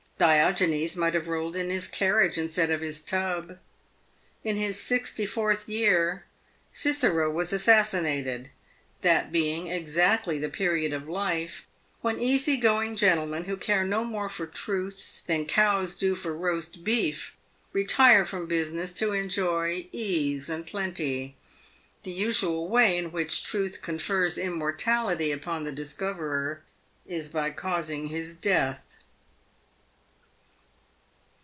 Diogenes might have rolled in his carriage instead of his tub. In his sixty fourth year, Cicero was assassinated, that being exactly the period of life when easy going gentlemen, who care no more for truths than cows do for roast beef, retire from business to enjoy ease and plenty. The usual way in which truth confers immor tality upon the discoverer is by causing his death.